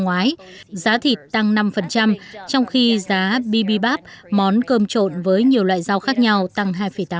ngoái giá thịt tăng năm trong khi giá bibibap món cơm trộn với nhiều loại rau khác nhau tăng hai tám